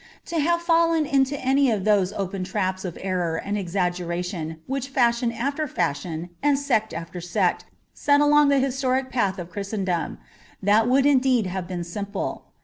To have fallen into any of those open traps of error and exaggeration which fashion after fashion and sect after sect set along the historic path of Christendom — that would indeed have been simple.